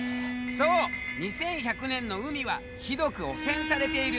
そう２１００年の海はひどく汚染されている。